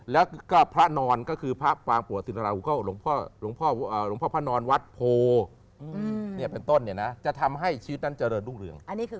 และก็พระนอนเหล่านี่ใหญ่นะจะทำให้ชีวิตกลอนโดนเดือน